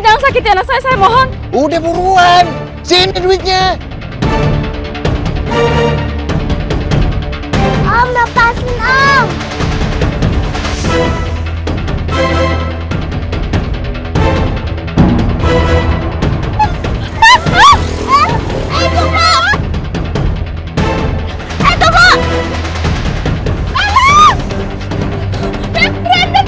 tapi tapi nggak punya uang udah cepet rain buruan buruan serain